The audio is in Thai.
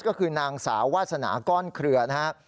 ก็คือนางสาววาสนาก้อนเครือนะครับ